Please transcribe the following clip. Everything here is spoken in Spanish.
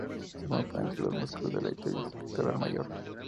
Se forma entre los músculos deltoides y pectoral mayor.